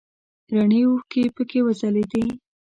رڼې اوښکې پکې وځلیدې.